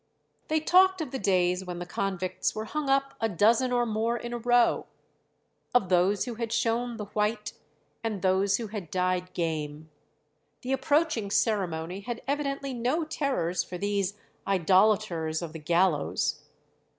They talked of the days when the convicts were hung up a dozen or more in a row; of those who had shown the white, and those who had died game. The approaching ceremony had evidently no terrors for these "idolaters of the gallows."